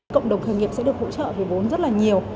cộng đồng khởi nghiệp sẽ được hỗ trợ về vốn rất là nhiều